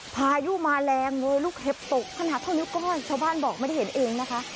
พายุมาแรงเลยลูกเห็บตกขนาดเท่านิ้วก้อนชาวบ้านบอกไม่ได้เห็นเองนะคะ